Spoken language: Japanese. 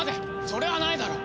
それはないだろ。